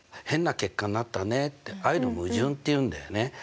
「変な結果になったね」ってああいうの矛盾っていうんだよね。